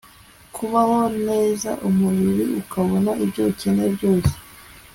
kubaho neza umubiri ukabona ibyo ukeneye byose